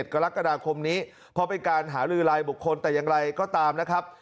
กรกฎาคมนี้เพราะเป็นการหาลือลายบุคคลแต่อย่างไรก็ตามนะครับ